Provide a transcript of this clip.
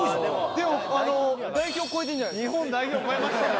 でもあの代表超えてるんじゃないですか？